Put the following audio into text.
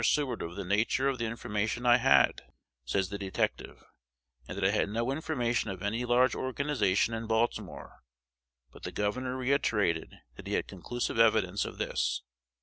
Seward of the nature of the information I had," says the detective, "and that I had no information of any large organization in Baltimore; but the Governor reiterated that he had conclusive evidence of this."